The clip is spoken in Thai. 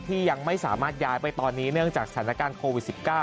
ยังไม่สามารถย้ายไปตอนนี้เนื่องจากสถานการณ์โควิด๑๙